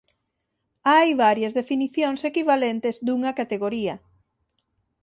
Hai varias definicións equivalentes dunha categoría.